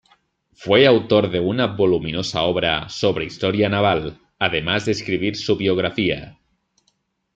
Fue autor de una voluminosa obra sobre historia naval, además de escribir su biografía.